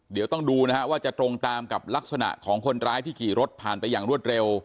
เดี๋ยวต้องดูนะฮะว่าจะตรงตามกับลักษณะของคนร้ายที่ขี่รถผ่านไปอย่างรวดเร็ว